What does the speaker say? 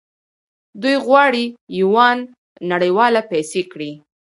دوی غواړي یوان نړیواله پیسې کړي.